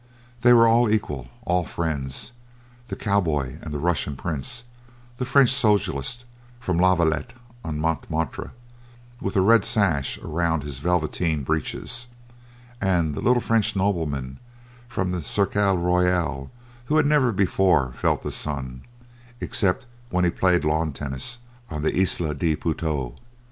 They were all equal, all friends; the cowboy and the Russian Prince, the French socialist from La Villette or Montmartre, with a red sash around his velveteen breeches, and the little French nobleman from the Cercle Royal who had never before felt the sun, except when he had played lawn tennis on the Isle de Puteaux.